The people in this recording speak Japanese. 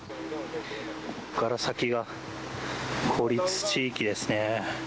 ここから先が、孤立地域ですね。